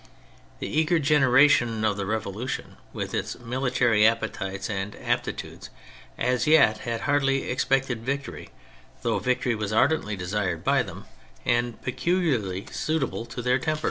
The eager generation of the Revolution, with its military appetites and aptitudes, as yet had hardly expected victory, though victory was ardently desired by them and peculiarly suitable to their temper.